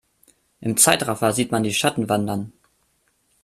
Im Zeitraffer sieht man die Schatten wandern.